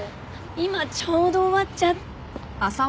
今ちょうど終わっちゃっ。